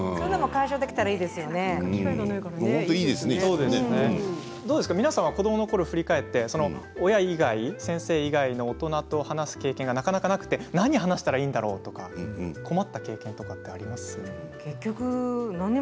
そういうのが皆さんは子どものころを振り返って親以外、先生以外の大人と話す経験がなかなかなくて何を話したないんだろうとか困った経験はありませんか？